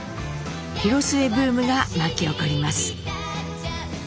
「ヒロスエブーム」が巻き起こります。